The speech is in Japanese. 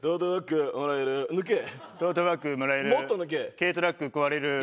軽トラック壊れる。